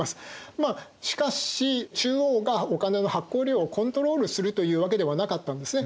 まあしかし中央がお金の発行量をコントロールするというわけではなかったんですね。